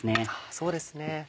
そうですね。